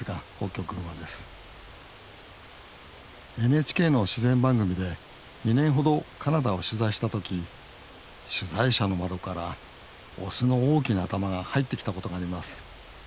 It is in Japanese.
ＮＨＫの自然番組で２年ほどカナダを取材した時取材車の窓からオスの大きな頭が入ってきたことがあります。